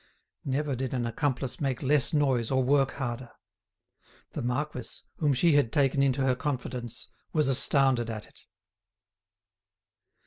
Never did an accomplice make less noise or work harder. The marquis, whom she had taken into her confidence, was astounded at it.